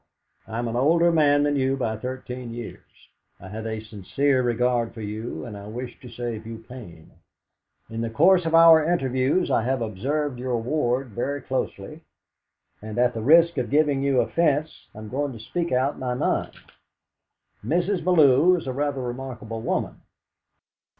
"I am an older man than you by thirteen years. I have a sincere regard for you, and I wish to save you pain. In the course of our interviews I have observed your ward very closely, and at the risk of giving you offence, I am going to speak out my mind. Mrs. Bellew is a rather remarkable woman.